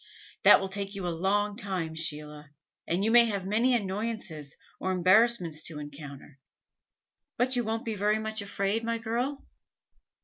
That will take you a long time, Sheila, and you may have many annoyances or embarrassments to encounter; but you won't be very much afraid, my girl?"